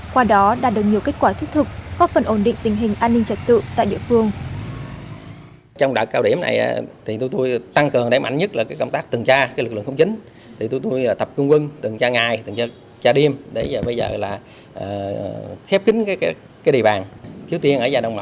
qua đó đạt được nhiều kết quả thiết thực góp phần ổn định tình hình an ninh trật tự tại địa phương